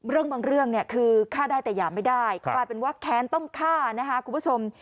บางเรื่องเนี่ยคือฆ่าได้แต่หยามไม่ได้กลายเป็นว่าแค้นต้องฆ่านะคะคุณผู้ชม